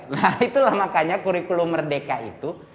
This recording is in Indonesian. nah itulah makanya kurikulum merdeka itu